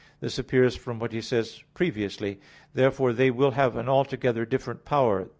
This appears from what he says previously: "Therefore they will have an altogether different power (viz.